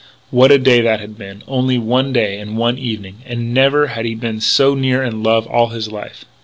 What a day that had been.... Only one day and one evening.... And never had he been so near in love in all his life....